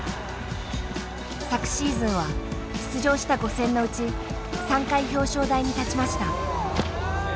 昨シーズンは出場した５戦のうち３回表彰台に立ちました。